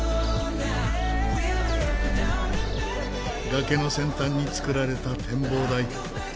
崖の先端に作られた展望台。